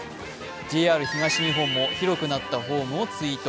ＪＲ東日本も広くなったホームをツイート。